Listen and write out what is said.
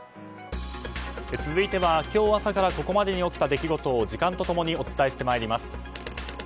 続いては今日朝からここまでに起きた出来事を時間と共にお伝えしてまいります。